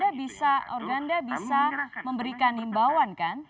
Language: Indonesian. tapi organda bisa memberikan imbauan kan